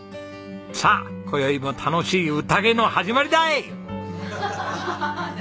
さあ今宵も楽しいうたげの始まりだい！